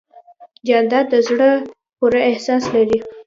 جانداد د زړه پوره احساس لري.